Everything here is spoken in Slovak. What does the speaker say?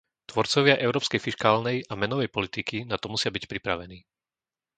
Tvorcovia európskej fiškálnej a menovej politiky na to musia byť pripravení.